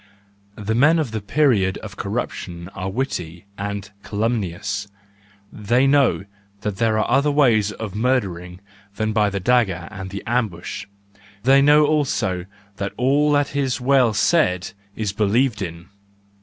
The men of the period of corruption are witty and calumnious ; they know that there are yet other ways of murdering than by the dagger and the ambush—they know also that all that is well said is believed in.